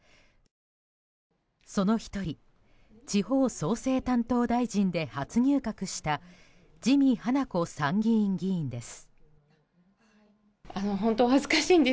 その１人地方創生担当大臣で初入閣した自見はなこ参議院議員です。